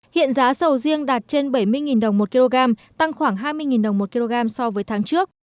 hiện giá sầu riêng đạt trên bảy mươi đồng một kg tăng khoảng hai mươi đồng một kg so với tháng trước